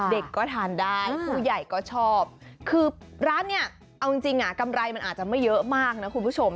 เด็กก็ทานได้ผู้ใหญ่ก็ชอบคือร้านเนี่ยเอาจริงกำไรมันอาจจะไม่เยอะมากนะคุณผู้ชม